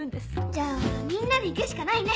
じゃあみんなで行くしかないね！